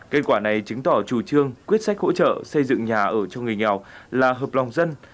kết quả này chứng tỏ chủ trương quyết sách hỗ trợ xây dựng nhà ở cho người nghèo là hợp lòng dân